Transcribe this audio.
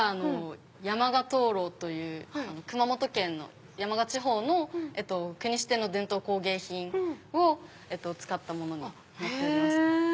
山鹿灯籠という熊本県の山鹿地方の国指定の伝統工芸品を使ったものになっております。